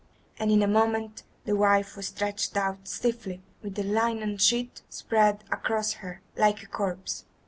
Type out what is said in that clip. And in a moment the wife was stretched out stiffly, with a linen sheet spread across her, like a corpse.